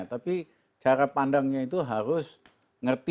tapi cara pandangnya itu harus ngerti